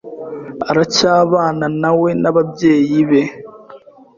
aracyabanawe n'ababyeyi be.